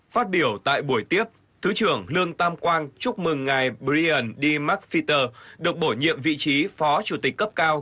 phát biểu tại buổi tiếp thứ trưởng lương tam quang chúc mừng ngài brian d mcfeeter được bổ nhiệm vị trí phó chủ tịch cấp cao